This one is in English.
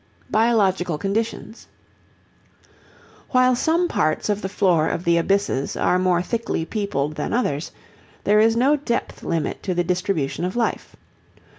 Biological Conditions While some parts of the floor of the abysses are more thickly peopled than others, there is no depth limit to the distribution of life.